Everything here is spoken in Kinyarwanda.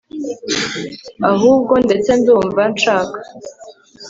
ahubwo, ndetse ndumva nshaka